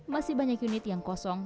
masih banyak unit yang kosong